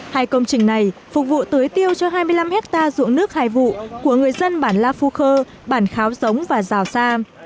hai công trình này phục vụ tưới tiêu cho hai mươi năm hectare dụng nước hai vụ của người dân bản la phu khơ bản kháo giống và giào sa